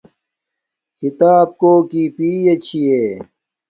کھیتاپ کوکی پیے چھݵ